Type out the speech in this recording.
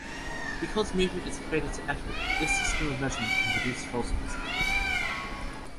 Because movement is equated to effort, this system of measurement can produce false positives.